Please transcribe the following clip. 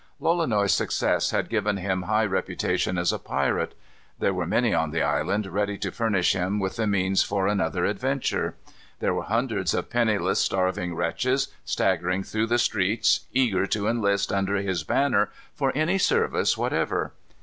Lolonois's success had given him high reputation as a pirate. There were many on the island ready to furnish him with the means for another adventure. There were hundreds of penniless, starving wretches staggering through the streets, eager to enlist under his banner for any service whatever.